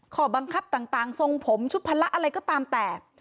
ข้อบังคับต่างทรงผมชุดพละอะไรก็ตามแต่